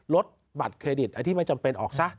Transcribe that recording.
ลดบัตรเครดิตอันที่ไม่จำเป็นออกซะ